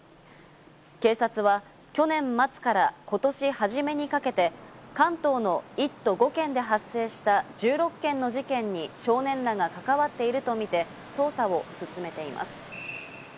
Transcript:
警察は去年末から今年初めにかけて、関東の１都５県で発生した１６件の事件に少年らが関わっているとみて捜査を進めています。